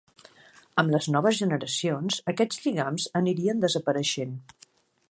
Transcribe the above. Amb les noves generacions, aquests lligams anirien desapareixent.